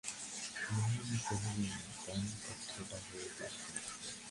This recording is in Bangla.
মহিম কহিলেন, পানপত্রটা হয়ে যাক-না।